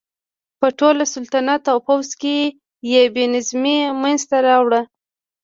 په ټول سلطنت او پوځ کې یې بې نظمي منځته راوړه.